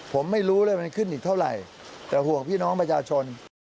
ผมไม่รู้เลยมันขึ้นอีกเท่าไหร่แต่ห่วงพี่น้องประชาชน